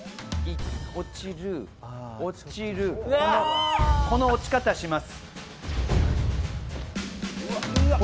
落ちる、落ちる、この落ち方をします。